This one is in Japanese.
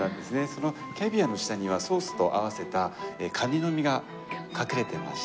そのキャビアの下にはソースと合わせたカニの身が隠れていまして。